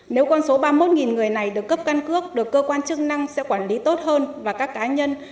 nếu con số ba mươi một người này được cấp căn cước được cơ quan chức năng sẽ quản lý tốt hơn và các cá nhân